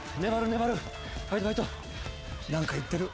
何か言ってる。